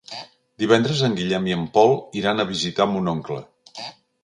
Divendres en Guillem i en Pol iran a visitar mon oncle.